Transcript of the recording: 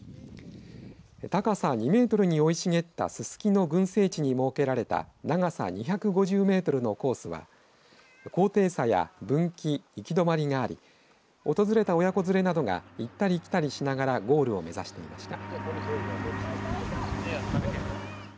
高さ２メートルに生い茂ったススキの群生地に設けられた長さ２５０メートルのコースは高低差や分岐、行きどまりがあり訪れた親子連れなどが行ったり来たりしながらゴールを目指していました。